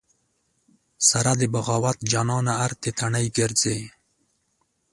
سره د بغاوت جانانه ارتې تڼۍ ګرځې